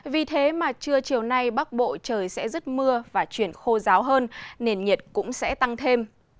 vì thế mà trưa chiều nay bắc bộ trời sẽ rứt mưa và chuyển khô ráo hơn nền nhiệt cũng sẽ tăng thêm